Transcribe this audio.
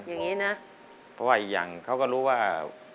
เพราะว่าอีกอย่างเขาก็รู้ว่า